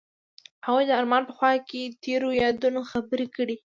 هغوی د آرمان په خوا کې تیرو یادونو خبرې کړې.